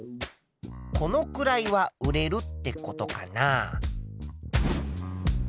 このくらいは売れるってことかな？